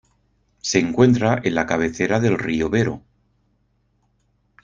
Se encuentra en la cabecera del río Vero.